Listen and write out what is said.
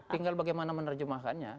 tinggal bagaimana menerjemahkannya